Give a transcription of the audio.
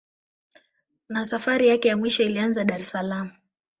Na safari yake ya mwisho ilianzia Dar es saalam